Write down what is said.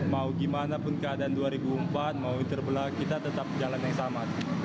mau gimana pun keadaan dua ribu empat mau terbelah kita tetap jalan yang sama